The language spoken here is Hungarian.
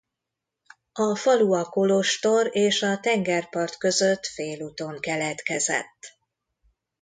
A falu a kolostor és a tengerpart között félúton keletkezett.